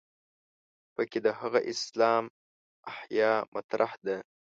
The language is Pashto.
په کې د هغه اسلام احیا مطرح ده.